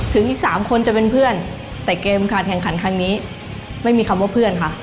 อีก๓คนจะเป็นเพื่อนแต่เกมการแข่งขันครั้งนี้ไม่มีคำว่าเพื่อนค่ะ